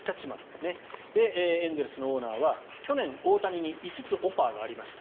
エンゼルスのオーナーは去年、大谷に５つオファーがありました。